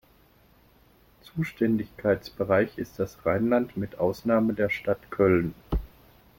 Zuständigkeitsbereich ist das Rheinland mit Ausnahme der Stadt Köln.